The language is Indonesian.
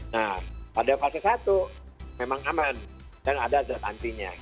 nah pada fase satu memang aman dan ada zat antinya